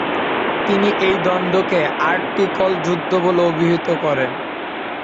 তিনি এই দ্বন্দ্বকে আর্টিকল যুদ্ধ বলে অভিহিত করেন।